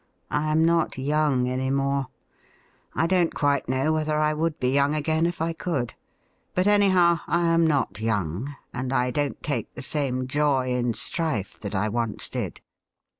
I am not young any more. I don't quite know whether I would be young again if I could. But, anyhow, I am not young, and I don't take the same joy in strife that I once did.